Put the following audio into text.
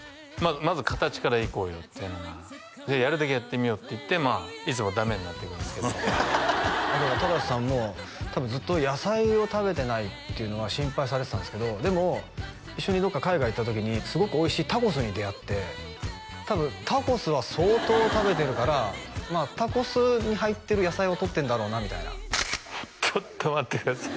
まず形からいこうよっていうのがじゃあやるだけやってみようって言ってまあいつもダメになっていくんですけどだから忠さんも多分ずっと野菜を食べてないっていうのは心配されてたんですけどでも一緒にどっか海外行った時にすごくおいしいタコスに出会って多分タコスは相当食べてるからまあタコスに入ってる野菜をとってんだろうなみたいなちょっと待ってください